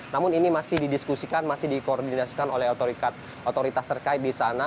namun ini masih didiskusikan masih dikoordinasikan oleh otoritas terkait di sana